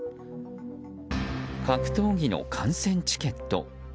格闘技の観戦チケット。